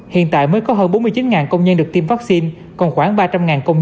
hiện tại mới có hơn bốn mươi chín công nhân được tiêm vaccine còn khoảng ba trăm linh công nhân cần được tiêm